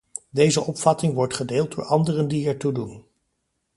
Deze opvatting wordt gedeeld door anderen die ertoe doen.